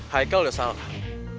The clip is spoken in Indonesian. haikal udah salah